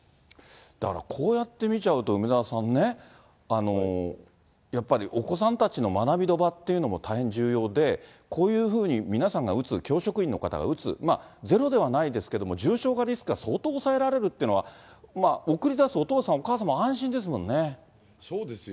だからこうやって見ちゃうと、梅沢さんね、やっぱりお子さんたちの学びの場っていうのも大変重要で、こういうふうに皆さんが打つ、教職員の方が打つ、ゼロではないですけれども、重症化リスクが相当抑えられるっていうのは、送り出すお父さん、そうですよ。